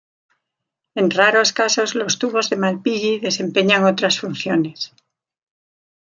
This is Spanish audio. En raros casos los tubos de Malpighi desempeñan otras funciones.